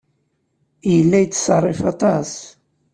Yella yettṣerrif aṭas.